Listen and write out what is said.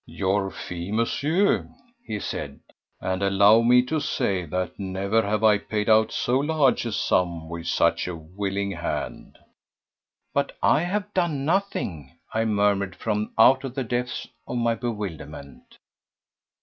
"Your fee, Monsieur," he said, "and allow me to say that never have I paid out so large a sum with such a willing hand." "But I have done nothing," I murmured from out the depths of my bewilderment.